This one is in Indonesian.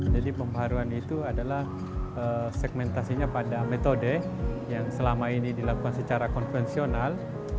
jadi pembaruan itu adalah segmentasinya pada metode yang selama ini dilakukan secara konvensional